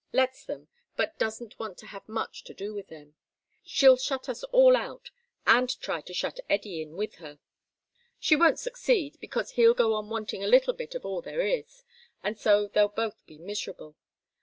Lets them, but doesn't want to have much to do with them. She'll shut us all out, and try to shut Eddy in with her. She won't succeed, because he'll go on wanting a little bit of all there is, and so they'll both be miserable.